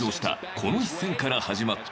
この一戦から始まった。